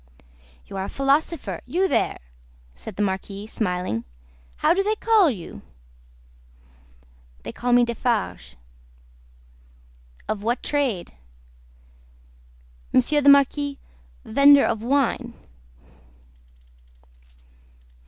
"You are a philosopher, you there," said the Marquis, smiling. "How do they call you?" "They call me Defarge." "Of what trade?" "Monsieur the Marquis, vendor of wine."